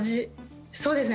そうですね。